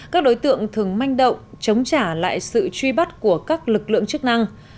các đối tượng thường manh động chống trả lại sự truy bắt của các lực lượng chức năng